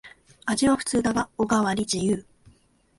味は普通だがおかわり自由